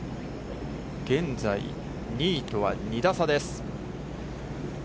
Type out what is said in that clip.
現在２位とは２打差です。